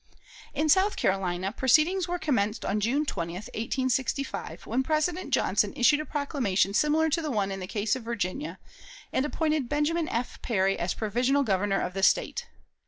In South Carolina, proceedings were commenced on June 20, 1865, when President Johnson issued a proclamation similar to the one in the case of Virginia, and appointed Benjamin F. Perry as provisional Governor of the State.